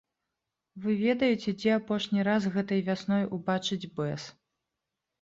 Вы ведаеце, дзе апошні раз гэтай вясной убачыць бэз?